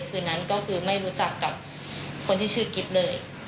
คืนนั้นก็คือไม่รู้จักกับคนที่ชื่อกิ๊บเลย